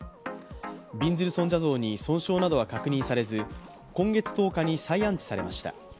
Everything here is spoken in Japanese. びんずる尊者像に損傷などは確認されず今月１０日に再安置されました。